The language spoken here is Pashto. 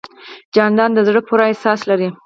جانداد د زړه پوره احساس لري.